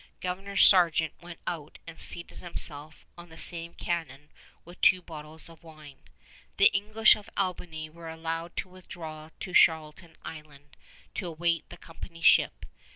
Governor Sargeant went out and seated himself on the same cannon with two bottles of wine. The English of Albany were allowed to withdraw to Charlton Island to await the company ship.